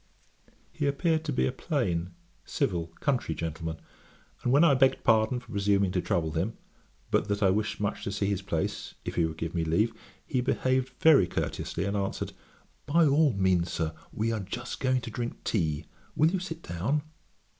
He appeared to be a plain, civil, country gentleman; and when I begged pardon for presuming to trouble him, but that I wished much to see his place, if he would give me leave; he behaved very courteously, and answered, 'By all means, Sir; we are just going to drink tea; will you sit down?'